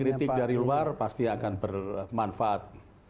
kritik dari luar pasti akan bermanfaat